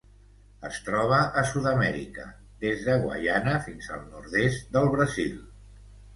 Es troba a Sud-amèrica: des de Guaiana fins al nord-est del Brasil.